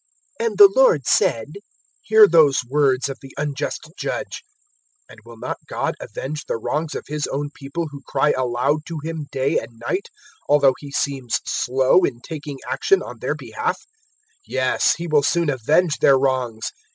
'" 018:006 And the Lord said, "Hear those words of the unjust judge. 018:007 And will not God avenge the wrongs of His own People who cry aloud to Him day and night, although He seems slow in taking action on their behalf? 018:008 Yes, He will soon avenge their wrongs.